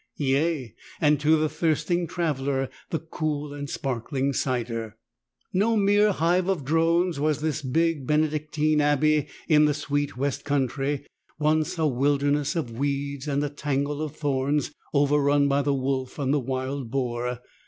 Yea, and to the thirst ing traveller the cool and sparkling cider. No mere hive of drones was this big Benedictine abbey in the sweet west country — once a wilderness of weeds and a tangle of thorns, overrun by the wolf and the wild boar.